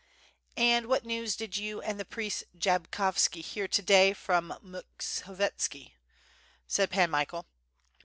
"And what news did you and the priest Jabkovski hear to day from Mukhovietski,' said Pan Michael.